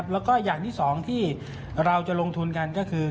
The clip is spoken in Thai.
แล้วก็อย่างที่สองที่เราจะลงทุนกันก็คือ